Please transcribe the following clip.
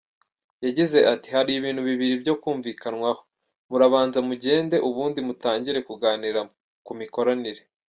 Yagize ati “Hari ibintu bibiri byo kumvikanwaho, murabanza mugende, ubundi mutangire kuganira ku mikoranire.